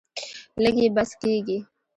لږ یې بس کیږي.